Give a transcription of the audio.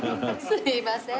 すいません。